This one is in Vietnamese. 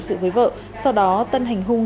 sự với vợ sau đó tân hành hung